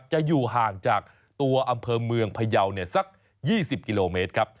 จะอยู่ห่างจากตัวอำเภอเมืองพยาวน์สัก๒๐กม